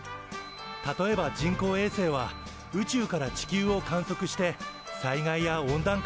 例えば人工衛星は宇宙から地球を観測して災害や温暖化の対策に役立っているよ。